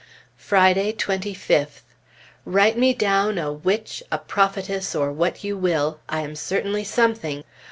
Friday, 25th. Write me down a witch, a prophetess, or what you will. I am certainly something!